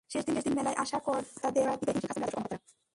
শেষ দিন মেলায় আসা করদাতাদের সেবা দিতে হিমশিম খাচ্ছেন রাজস্ব কর্মকর্তারা।